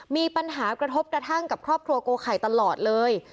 มีปัญหากระทบกระทั่งกับครอบครัวโกไข่ตลอดเลย